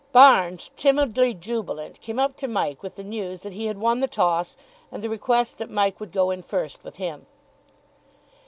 Barnes, timidly jubilant, came up to Mike with the news that he had won the toss, and the request that Mike would go in first with him.